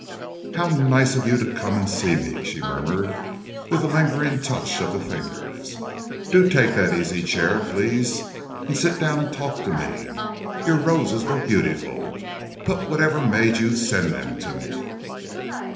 "How nice of you to come and see me," she murmured, with a lingering touch of the fingers. "Do take that easy chair, please, and sit down and talk to me. Your roses were beautiful, but whatever made you send them to me?"